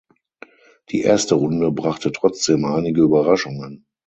Die erste Runde brachte trotzdem einige Überraschungen.